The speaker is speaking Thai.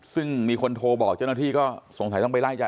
ซึ่งมีคนโทรบอกเจ้าหน้าที่ก็สงสัยต้องไปไล่ยาย